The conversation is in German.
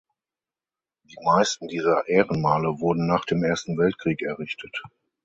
Die meisten dieser Ehrenmale wurden nach dem Ersten Weltkrieg errichtet.